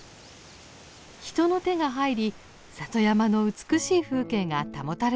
人の手が入り里山の美しい風景が保たれているのです。